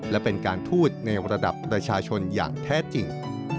และเป็นการพูดในระดับประชาชนอย่างแท้จริง